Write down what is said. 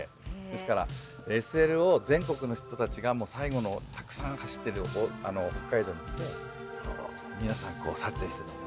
ですからＳＬを全国の人たちが最後のたくさん走ってる北海道皆さん撮影してた。